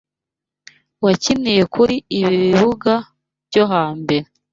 wakiniye kuri ibi bibuga byombi hambere